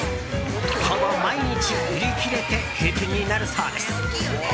ほぼ毎日、売り切れて閉店になるそうです。